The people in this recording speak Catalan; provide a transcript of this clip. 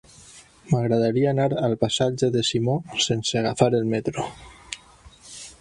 M'agradaria anar al passatge de Simó sense agafar el metro.